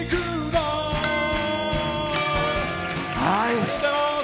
ありがとうございます。